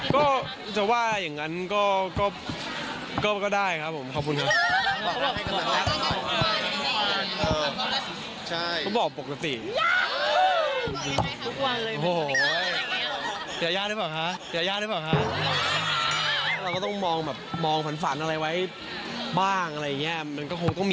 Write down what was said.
ก็จะว่าอย่างนั้นก็ได้ครับผมขอบคุณครับ